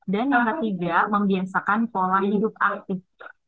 dan yang ketiga membiasakan pola hidup aktif